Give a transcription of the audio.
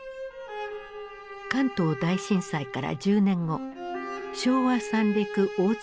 関東大震災から１０年後昭和三陸大津波が発生。